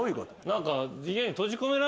何か。